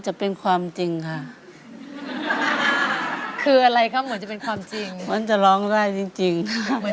ตัวขึ้นแล้วกำมือแน่นจิกเท้าแน่น